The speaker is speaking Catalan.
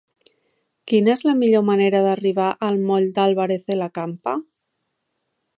Quina és la millor manera d'arribar al moll d'Álvarez de la Campa?